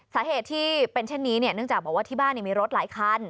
สาเหตุที่เป็นเช่นนี้เนี่ยเนื่องจากบอกว่าที่บ้านมีรถหลายคัน